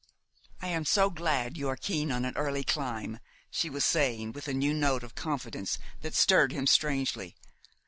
"I am so glad you are keen on an early climb," she was saying, with a new note of confidence that stirred him strangely.